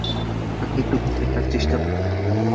আমি একটু ঘুমাইবার চেষ্টা করি।